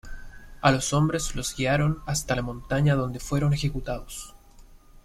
A los hombres los guiaron hasta la montaña donde fueron ejecutados.